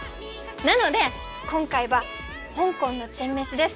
なので今回は香港のチェンメシです。